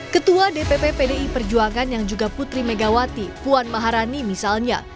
ketua dpp pdi perjuangan yang juga putri megawati puan maharani misalnya